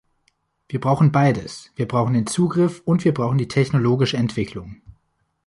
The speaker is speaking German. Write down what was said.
Wir brauchen beides, wir brauchen den Zugriff und wir brauchen die technologische Entwicklung.